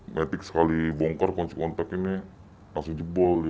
matic sekali bongkar kunci kontak ini langsung jebol